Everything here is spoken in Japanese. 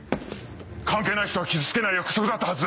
関係ない人は傷つけない約束だったはずです！